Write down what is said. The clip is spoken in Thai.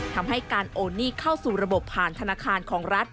ทำให้การโอนหนี้เข้าสู่ระบบผ่านธนาคารของรัฐ